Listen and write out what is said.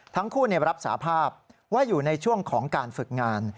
ทั้งคู่รับสาภาพว่าอยู่ในช่วงของการฝึกงาน